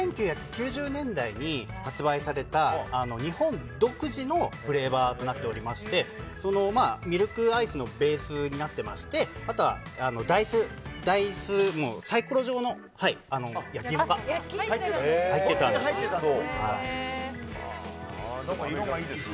１９９０年代に発売された日本独自のフレーバーとなっておりましてミルクアイスのベースになってましてあとはサイコロ状の焼き芋が入ってたんです。